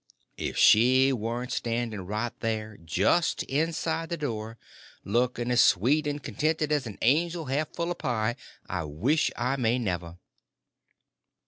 If she warn't standing right there, just inside the door, looking as sweet and contented as an angel half full of pie, I wish I may never!